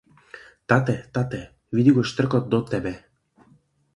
Тате, тате, види го штркот до тебе.